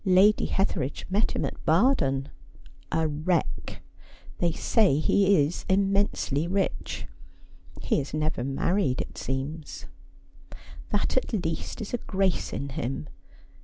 Lady Hetheridge met him at Baden — a wreck. 'They say he is immensely rich. He has never married, it seems.' ' That at least is a grace in him.